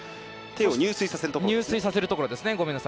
入水させるところですね。